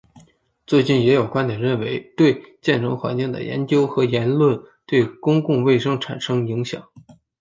最近也有观点认为对建成环境的研究和言论对公共卫生产生影响。